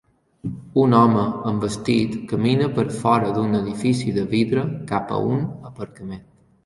Un home amb vestit camina per fora d'un edifici de vidre cap a un aparcament.